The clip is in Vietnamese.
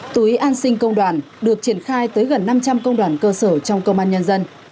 túi an sinh công đoàn được triển khai tới gần năm trăm linh công đoàn cơ sở trong công an nhân dân